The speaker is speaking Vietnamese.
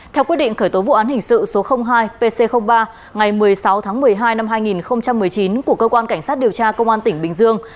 theo quyết định khởi tố vụ án hình sự số hai pc ba ngày một mươi sáu tháng một mươi hai năm hai nghìn một mươi chín của cơ quan cảnh sát điều tra công an tỉnh bình dương